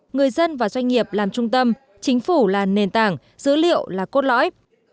người dân và doanh nghiệp làm trung tâm chính phủ là nền tảng dữ liệu là cốt lõi